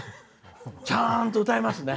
ちゃんと歌いますね。